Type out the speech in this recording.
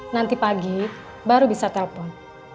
nanti pagi baru bisa telpon